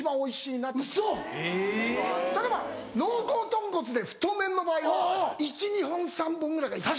例えば濃厚豚骨で太麺の場合は１２本３本ぐらいが一番。